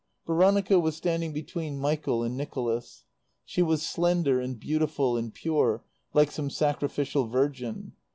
Veronica was standing between Michael and Nicholas. She was slender and beautiful and pure, like some sacrificial virgin.